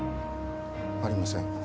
ありません。